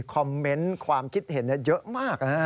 คอมเมนต์ความคิดเห็นเยอะมาก